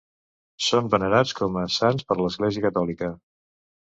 Són venerats com a sants per l'Església catòlica.